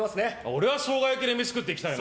俺はショウガ焼きで飯食っていきたいな。